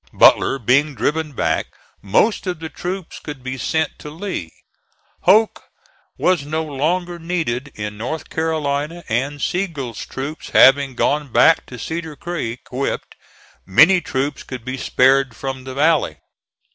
Butler being driven back, most of the troops could be sent to Lee. Hoke was no longer needed in North Carolina; and Sigel's troops having gone back to Cedar Creek, whipped, many troops could be spared from the valley.